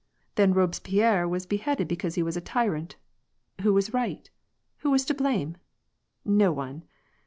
Then Robespierre was beheaded be cause he was a tyrant. Who was right ? who was to blame ? No one